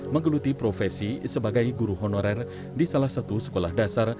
menggeluti profesi sebagai guru honorer di salah satu sekolah dasar